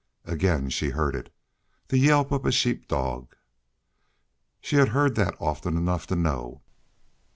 Again she heard it. The yelp of a sheep dog! She had heard that' often enough to know.